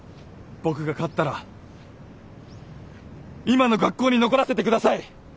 僕が勝ったら今の学校に残らせて下さい。